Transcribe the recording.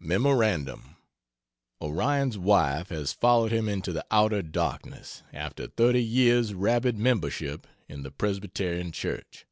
(Mem. Orion's wife has followed him into the outer darkness, after 30 years' rabid membership in the Presbyterian Church.)